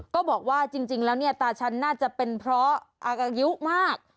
ก็บอกว่าจริงแล้วเนี่ยตาฉันน่าจะเป็นเพราะอายุมาก